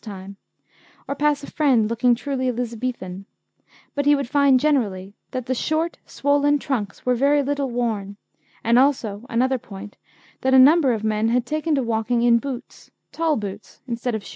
's time, or pass a friend looking truly Elizabethan but he would find generally that the short, swollen trunks were very little worn, and also another point that a number of men had taken to walking in boots, tall boots, instead of shoes.